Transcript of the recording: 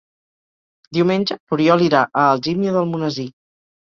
Diumenge n'Oriol irà a Algímia d'Almonesir.